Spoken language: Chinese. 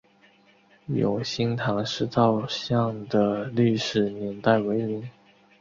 永兴堂石造像的历史年代为明。